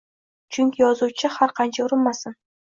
Chunki yozuvchi har qancha urinmasin